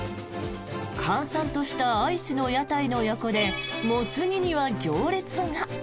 閑散としたアイスの屋台の横でモツ煮には行列が。